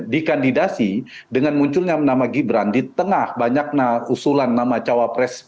di kandidasi dengan munculnya nama gibran di tengah banyak usulan nama cawa pres